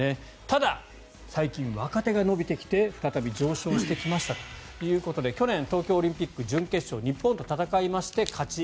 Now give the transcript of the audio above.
ただ、最近若手が伸びてきて再び上昇してきましたということで去年、東京オリンピック準決勝日本と戦いまして、勝ち。